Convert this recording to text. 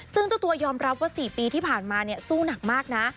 ซึ่งเจ้าตัวยอมรับว่า๔ปีที่ผ่านมาสู้หนักมากนะ